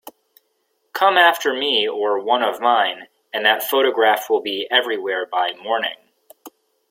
Come after me or one of mine, and that photograph will be everywhere by morning.